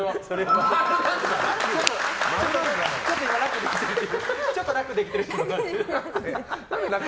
今、ちょっと楽できてる。